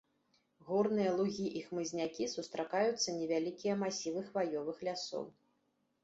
Горныя лугі і хмызнякі, сустракаюцца невялікія масівы хваёвых лясоў.